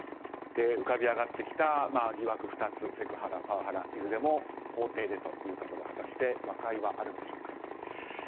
浮かび上がってきた疑惑２つセクハラ、パワハラいずれも法廷でというところ果たして和解はあるのでしょうか。